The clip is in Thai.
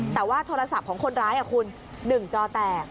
แต่ว่าโทรศัพท์ของคนร้ายคุณ๑จอแตก